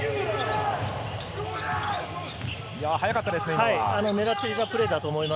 速かったですね。